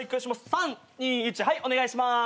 ３２１はいお願いします。